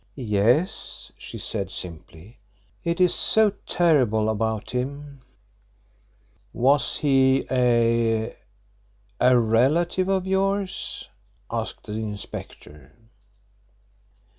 "Yes," she said simply. "It is so terrible about him." "Was he a a relative of yours?" asked the inspector.